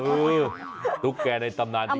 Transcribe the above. อุ้ยตุ๊กแก่ในตำนานดีจริง